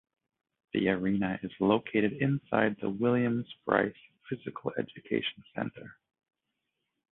The arena is located inside the Williams Brice Physical Education Center.